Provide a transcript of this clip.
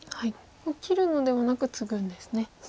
切るのではなくツグんですね。